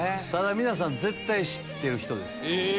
皆さん絶対知ってる人です。え？